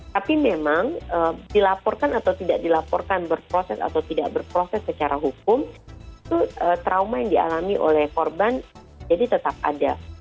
tapi memang dilaporkan atau tidak dilaporkan berproses atau tidak berproses secara hukum itu trauma yang dialami oleh korban jadi tetap ada